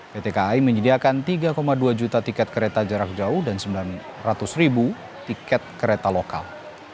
pt kai menyediakan tiga dua juta tiket kereta jarak jauh dan sembilan ratus ribu tiket kereta lokal